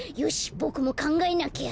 ボクもかんがえなきゃ。